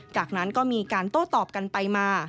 จากนั้นก็มีการโต้ตอบกันไปมา